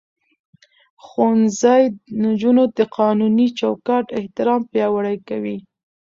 ښوونځی نجونې د قانوني چوکاټ احترام پياوړې کوي.